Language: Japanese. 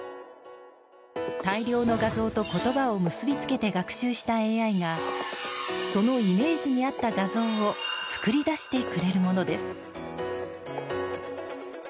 大量の画像と言葉を結び付けて学習したＡＩがそのイメージに合った画像を作り出してくれるものです。